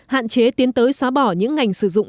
hạn chế tiến tới xóa bỏ những ngành sử dụng